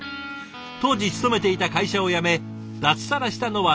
当時勤めていた会社を辞め脱サラしたのは３５歳の時。